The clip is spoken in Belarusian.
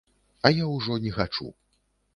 А я ўжо не хачу.